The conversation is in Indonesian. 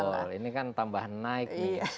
betul ini kan tambahan naik